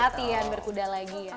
latihan berkuda lagi ya